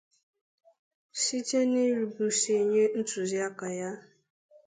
site n'irube isi nye ntụziaka ya